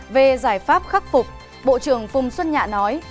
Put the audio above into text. về giải pháp khắc phục bộ trưởng phùng xuân nhạ nói